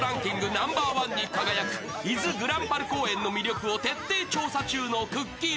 ナンバーワンに輝く、伊豆ぐらんぱる公園の魅力を徹底調査中のくっきー！